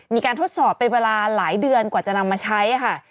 ทดสอบเป็นเวลาหลายเดือนกว่าจะนำมาใช้ค่ะ